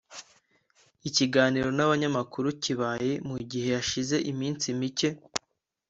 Iki kiganiro n’abanyamakuru kibaye mu gihe hashize iminsi mike